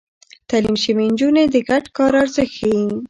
تعليم شوې نجونې د ګډ کار ارزښت ښيي.